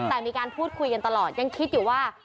แต่มีการพูดคุยกันตลอดยังคิดอยู่ว่า